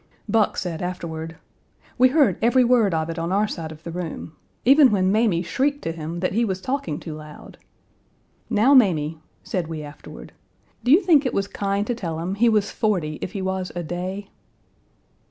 Buck said afterward: "We heard every word of it on our side of the room, even when Mamie shrieked to him that he was talking too loud. Now, Mamie," said we afterward, "do you think it was kind to tell him he was forty if he was a day?"